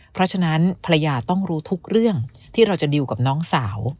เพราะฉะนั้นภรรยาต้องรู้ทุกเรื่องที่เราจะดิวกับน้องสาว